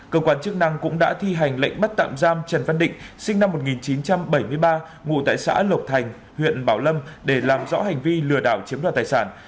cơ quan chức năng cũng đã thi hành lệnh bắt tạm giam trần văn định sinh năm một nghìn chín trăm bảy mươi ba ngụ tại xã lộc thành huyện bảo lâm để làm rõ hành vi lừa đảo chiếm đoạt tài sản